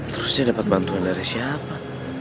terus dia dapat bantuan dari siapa